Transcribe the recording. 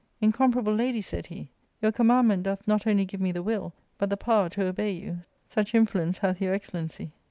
" Incomparable lady," said he, " your commandment doth not only give me the will, but the power to obey you, such influence hath your excellency.